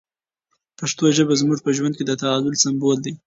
پښتو ژبه زموږ په ژوند کې د تعادل سمبول دی.